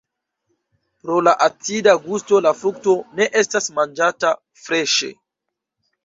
Pro la acida gusto la frukto ne estas manĝata freŝe.